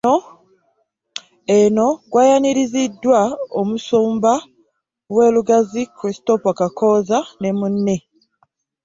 Eno gwayaniriziddwa Omusumba w’e Lugazi, Christopher Kakooza ne munne.